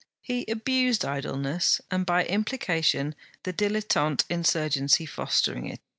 He abused idleness, and by implication the dilettante insurgency fostering it.